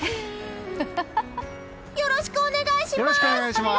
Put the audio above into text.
よろしくお願いします！